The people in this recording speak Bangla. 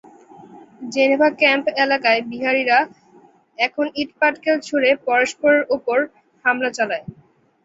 জেনেভা ক্যাম্প এলাকায় বিহারিরা এখন ইট-পাটকেল ছুড়ে পরস্পরের ওপর হামলা চালায়।